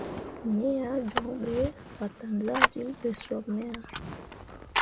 Me ah joŋ ɓe fatan zahzyilli ɓe sop me ah.